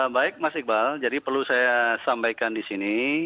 baik mas iqbal jadi perlu saya sampaikan di sini